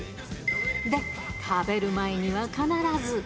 で、食べる前には必ず。